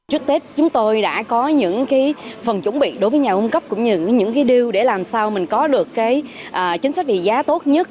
trước tết chúng tôi đã có những phần chuẩn bị đối với nhà cung cấp cũng như những điều để làm sao mình có được chính sách vị giá tốt nhất